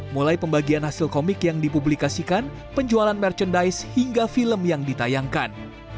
mulai pembagian hasil komik yang dipublikasikan penjualan merchandise hingga film yang ditayangkan